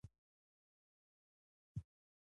نور یې هم برمته کړه.